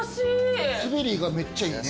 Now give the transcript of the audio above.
滑りがめっちゃいいね。